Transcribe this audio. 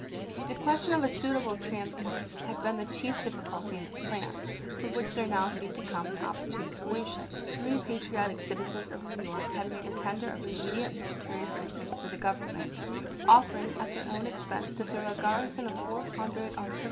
The question of a suitable transport had been the chief difficulty in this plan, for which there now seemed to come an opportune solution. Three patriotic citizens of New York had made a tender of immediate military §n^™}|£ assistance to the Government, offering at their own Ha ^r joim' expense to throw a garrison of four hundred artil ED?